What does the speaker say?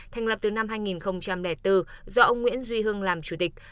thành lập từ năm hai nghìn bốn do ông nguyễn duy hưng làm chủ tịch